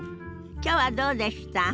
きょうはどうでした？